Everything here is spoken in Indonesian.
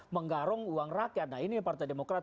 menggarong uang rakyat nah ini yang partai demokrat